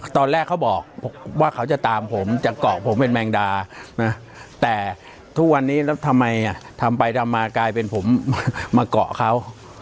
ตอนแรกเขาบอกว่าเขาจะตามผมจะเกาะผมเป็นแมงดานะแต่ทุกวันนี้แล้วทำไมทำไปทำมากลายเป็นผมมาเกาะเขา